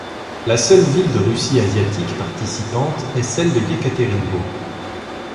La seule ville de Russie asiatique participante est celle de Iekaterinbourg.